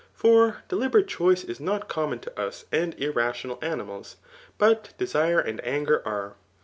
For deliberate choice is not common to us and irrational animals ; but desire and anger are.